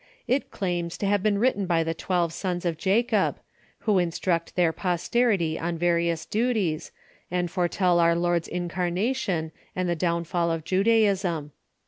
It claims to have been written by the twelve sons of Jacob, who instruct their jjosterity on various duties, and fore tell our Lord's incarnation and the downfall of Judaism.